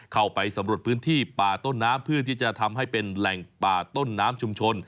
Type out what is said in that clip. เข้าไปสำรวจพื้นที่ป่าต้นน้ำเพื่อที่จะทำให้เป็นแหล่งป่าต้นน้ำชุมชน